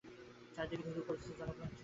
চারি দিকে ধূ ধূ করিতেছে, জনপ্রাণীর চিহ্ন নাই।